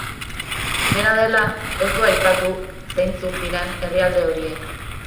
Dena dela, ez du aipatu zeintzuk diren herrialde horiek.